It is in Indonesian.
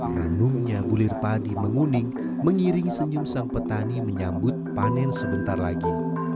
ranumnya bulir padi menguning mengiring senyum sang petani menyambut panen sebentar lagi